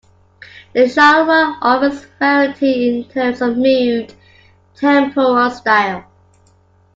The genre offers variety in terms of mood, tempo, and style.